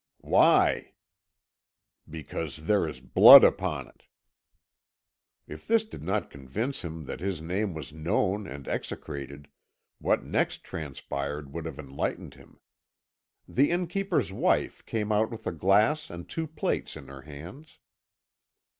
"Why?" "Because there is blood upon it." If this did not convince him that his name was known and execrated, what next transpired would have enlightened him. The innkeeper's wife came out with a glass and two plates in her hands.